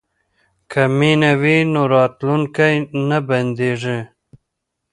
که مینه وي نو راتلونکی نه بندیږي.